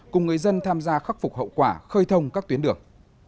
cùng người dân tham gia khắc phục hậu quả khơi thông các tuyến đường